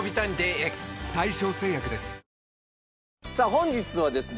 本日はですね